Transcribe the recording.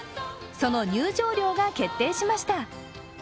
その入場料が決定しました。